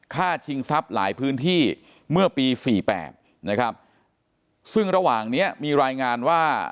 ชิงทรัพย์หลายพื้นที่เมื่อปีสี่แปดนะครับซึ่งระหว่างเนี้ยมีรายงานว่า